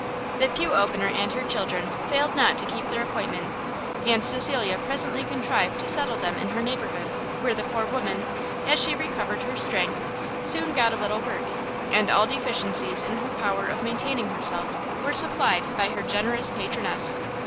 The pew opener and her children failed not to keep their appointment, and Cecilia presently contrived to settle them in her neighbourhood: where the poor woman, as she recovered her strength, soon got a little work, and all deficiencies in her power of maintaining herself were supplied by her generous patroness.